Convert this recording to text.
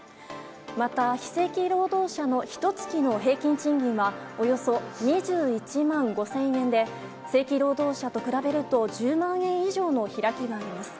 また、非正規労働者のひと月の平均賃金はおよそ２１万５０００円で、正規労働者と比べると、１０万円以上の開きがあります。